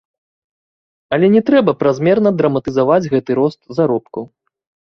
Але не трэба празмерна драматызаваць гэты рост заробкаў.